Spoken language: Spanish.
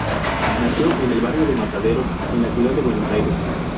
Nació en el barrio de Mataderos, en la ciudad de Buenos Aires.